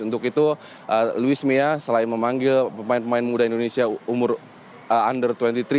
untuk itu louis mia selain memanggil pemain pemain muda indonesia umur under dua puluh tiga